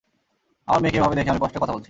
আমার মেয়েকে এভাবে দেখে আমি কষ্টে কথা বলছি।